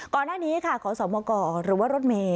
ก่อนหน้านี้ค่ะขอสมกหรือว่ารถเมย์